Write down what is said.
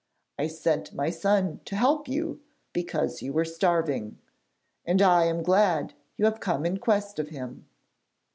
I sent my son to help you because you were starving, and I am glad you have come in quest of him.'